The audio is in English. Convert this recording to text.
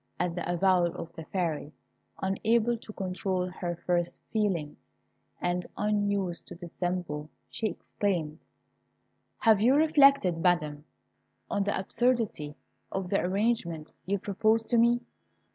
At the avowal of the Fairy, unable to control her first feelings, and unused to dissemble, she exclaimed, "Have you reflected, Madam, on the absurdity of the arrangement you propose to me!"